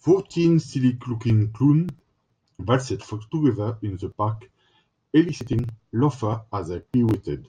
Fourteen silly looking clowns waltzed together in the park eliciting laughter as they pirouetted.